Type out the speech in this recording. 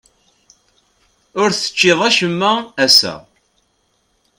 Ur teččiḍ acemma ass-a.